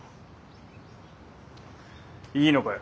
いいのかよ